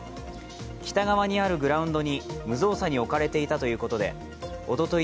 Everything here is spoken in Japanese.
北側にあるグラウンドに無造作に置かれていたということでおととい